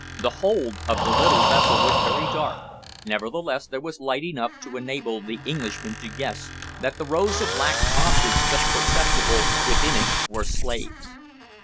The hold of the little vessel was very dark, nevertheless there was light enough to enable the Englishmen to guess that the rows of black objects just perceptible within it were slaves.